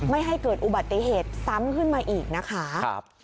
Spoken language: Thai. ไม่ให้เกิดอุบัติเหตุซ้ำขึ้นมาอีกนะคะ